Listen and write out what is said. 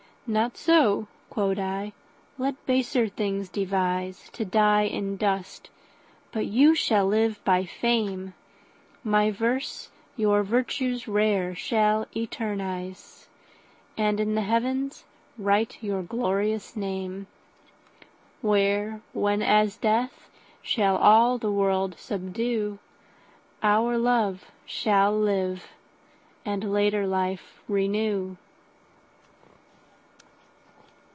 Not so (quod I); let baser things deviseTo die in dust, but you shall live by fame; My verse your virtues rare shall eternise, And in the heavens write your glorious name:Where, when as Death shall all the world subdue, Our love shall live, and later life renew.